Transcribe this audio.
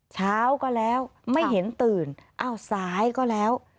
เช้าก็แล้วไม่เห็นตื่นอ้าวสายก็แล้ว